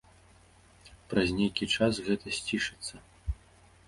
Праз нейкі час гэта сцішыцца.